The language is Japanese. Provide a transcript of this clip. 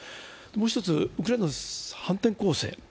もう一つウクライナの反転攻勢。